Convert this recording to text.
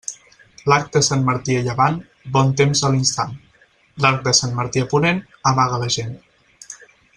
L'arc de Sant Martí a llevant, bon temps a l'instant; l'arc de Sant Martí a ponent, amaga la gent.